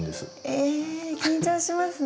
えっ緊張しますね。